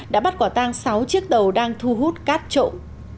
đã bắt quả tang sáu chiếc tàu đang thu hút cát trộm